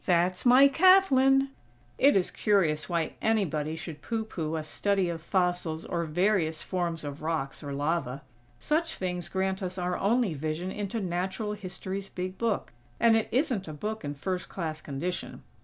That's my Kathlyn!!" It is curious why anybody should pooh pooh a study of fossils or various forms of rocks or lava. Such things grant us our only vision into Natural History's big book; and it isn't a book in first class condition.